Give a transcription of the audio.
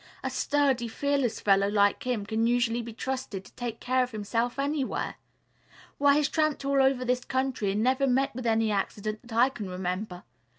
A sturdy, fearless fellow like him can usually be trusted to take care of himself anywhere. Why, he's tramped all over this country and never met with any accident that I can remember.